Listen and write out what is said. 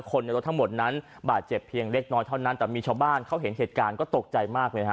ในรถทั้งหมดนั้นบาดเจ็บเพียงเล็กน้อยเท่านั้นแต่มีชาวบ้านเขาเห็นเหตุการณ์ก็ตกใจมากเลยฮะ